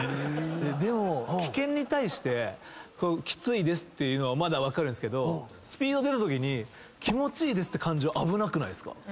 でも危険に対して「きついです」っていうのはまだ分かるんですけどスピード出るときに「気持ちいいです」っていう感情。